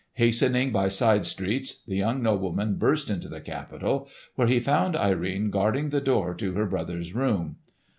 Hastening by side streets, the young nobleman burst into the Capitol, where he found Irene guarding the door to her brother's room.